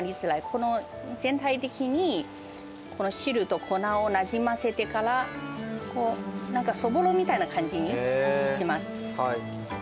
この全体的にこの汁と粉をなじませてから、なんかそぼろみたいな感じにします。